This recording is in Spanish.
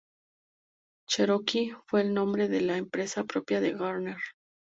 Cherokee fue el nombre de la empresa propia de Garner.